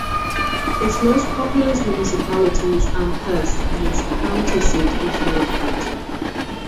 Its most populous municipality is Amherst, and its county seat is Northampton.